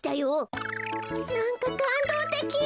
なんかかんどうてき！